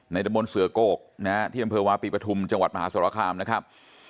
ตะบนเสือโกกนะฮะที่อำเภอวาปีปฐุมจังหวัดมหาสรคามนะครับ